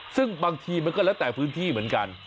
ซึ่งบางทีมันก็แล้วแต่พื้นที่เหมือนกัน